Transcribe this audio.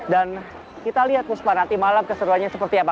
dan kita lihat puspa nanti malam keseruannya seperti apa